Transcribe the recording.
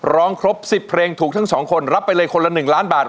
ร้องครบสิบเพลงถูกทั้งสองคนรับไปเลยคนละหนึ่งล้านบาท